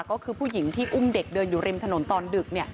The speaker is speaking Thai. ก็คือผู้หญิงที่อุ้มเด็กเดินอยู่ริมถนนตอนดึก